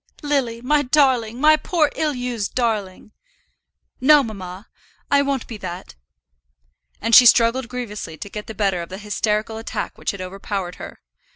"Lily, my darling; my poor, ill used darling." "No, mamma, I won't be that." And she struggled grievously to get the better of the hysterical attack which had overpowered her.